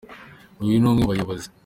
Uyu ni n’umwe mu bayobozi.